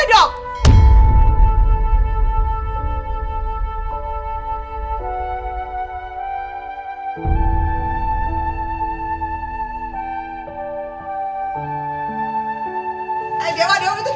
udah bubar saya dong